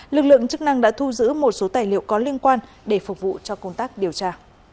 lực lượng chức năng đã thu giữ một số tài liệu có liên quan để phục vụ cho công tác điều tra